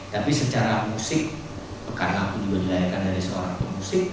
tapi secara musik karena aku juga dilahirkan dari seorang pemusik